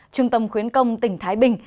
trung tâm khuyến công tỉnh thái bình